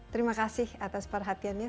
terima kasih atas perhatiannya